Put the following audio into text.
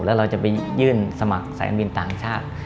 แล้วเราจะไปยื่นสมัครสายการบินต่างชาติ